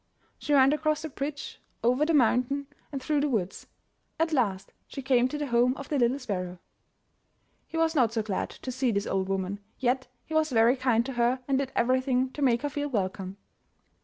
She went across the bridge, over the mountain, and 66 UP ONE PAIR OF STAIRS through the woods. At last she came to the home of the little sparrow. He was not so glad to see this old woman, yet he was very kind to her and did everything to make her feel welcome.